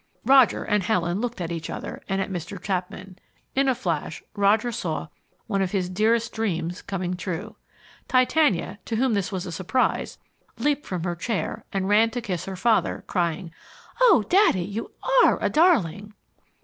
Roger and Helen looked at each other, and at Mr. Chapman. In a flash Roger saw one of his dearest dreams coming true. Titania, to whom this was a surprise, leaped from her chair and ran to kiss her father, crying, "Oh, Daddy, you ARE a darling!"